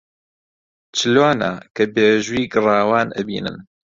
چلۆنە کە بیژووی گڕاوان ئەبینن